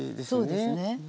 そうですね。